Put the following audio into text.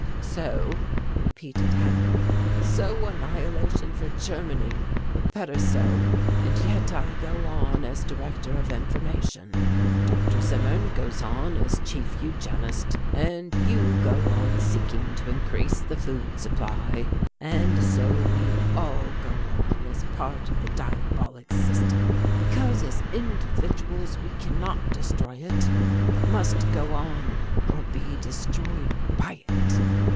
"So," repeated Hellar, "so annihilation for Germany, but better so and yet I go on as Director of Information; Dr. Zimmern goes on as Chief Eugenist; and you go on seeking to increase the food supply, and so we all go on as part of the diabolic system, because as individuals we cannot destroy it, but must go on or be destroyed by it.